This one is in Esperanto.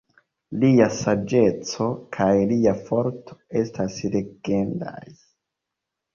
Lia saĝeco kaj lia forto estas legendaj.